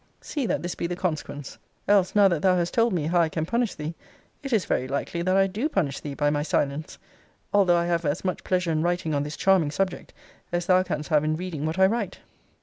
See that this be the consequence. Else, now that thou hast told me how I can punish thee, it is very likely that I do punish thee by my silence, although I have as much pleasure in writing on this charming subject, as thou canst have in reading what I write.